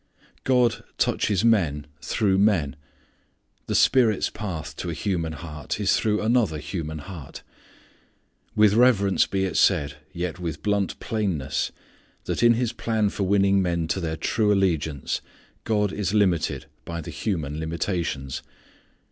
God touches men through men. The Spirit's path to a human heart is through another human heart. With reverence be it said, yet with blunt plainness that in His plan for winning men to their true allegiance God is limited by the human limitations.